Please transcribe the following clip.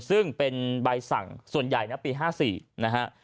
ซึ่งเป็นใบสั่งส่วนใหญ่นะปี๕๔นะฮะ